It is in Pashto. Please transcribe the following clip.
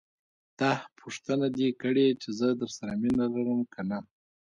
داح پوښتنه دې کړې چې زه درسره مينه لرم که نه.